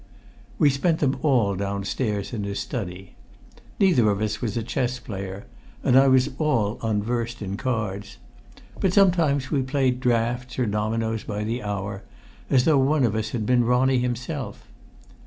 We spent them all downstairs in his study. Neither of us was a chess player, and I was all unversed in cards, but sometimes we played draughts or dominoes by the hour, as though one of us had been Ronnie himself.